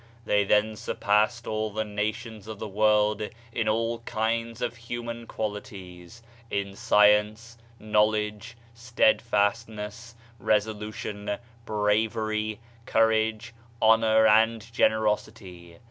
They then surpassed all the nations of the world in all kinds of human qualities; in science, knowledge, steadfastness, resolution, bravery, courage, honor and generosity.